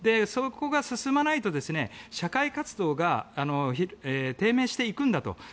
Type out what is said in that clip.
そこが進まないと社会活動が低迷していくんだと。